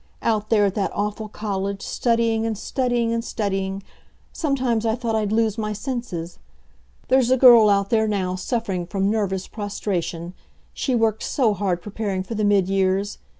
Out there at that awful college, studying and studying and studying, sometimes I thought I'd lose my senses. There's a girl out there now suffering from nervous prostration. She worked so hard preparing for the mid years.